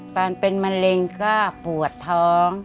ตอนเป็นมะเร็งก็ปวดท้อง